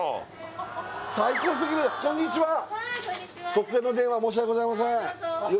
突然の電話申し訳ございません